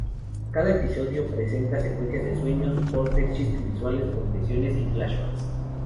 Cada episodio presenta secuencias de sueños, cortes, chistes visuales, confesiones y flashbacks.